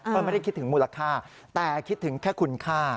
ไม่ได้คิดถึงมูลค่าแต่คิดถึงแค่คุณค่า